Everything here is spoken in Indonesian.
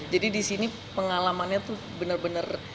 jadi di sini pengalamannya tuh bener bener